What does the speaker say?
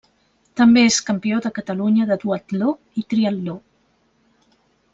També és campió de Catalunya de duatló i triatló.